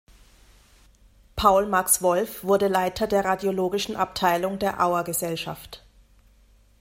Paul Max Wolf wurde Leiter der radiologischen Abteilung der Auergesellschaft.